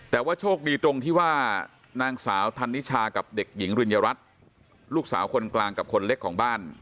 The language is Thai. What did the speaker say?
แต่ว่าโชคดีตรงที่ว่านางสาวธันนิชากับเด็กหญิงริญญรัฐลูกสาวคนกลางกับคนเล็กของบ้าน